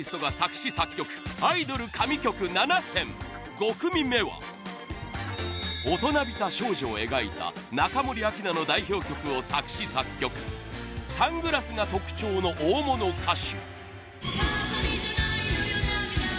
５組目は大人びた少女を描いた中森明菜の代表曲を作詞・作曲サングラスが特徴の大物歌手